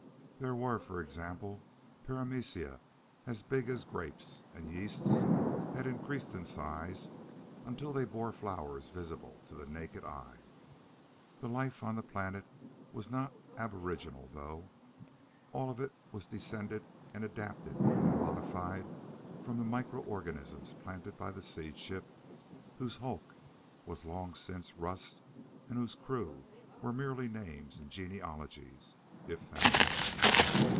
There were, for example, paramoecia as big as grapes, and yeasts had increased in size until they bore flowers visible to the naked eye. The life on the planet was not aboriginal, though. All of it was descended and adapted and modified from the microörganisms planted by the seed ship whose hulk was long since rust, and whose crew were merely names in genealogies if that.